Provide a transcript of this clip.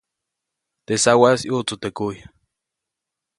Teʼ sawaʼis ʼyuʼtsu teʼ kujy.